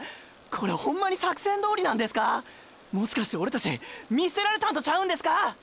これホンマに作戦どおりなんですか⁉もしかしてオレたち見捨てられたうんとちゃうんですか